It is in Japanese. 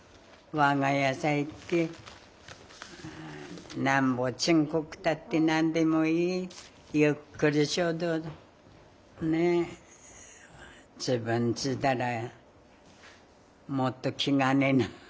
我が家さ行ってなんぼちんこくたって何でもいいゆっくりしようとねえ自分ちだらもっと気兼ねなく。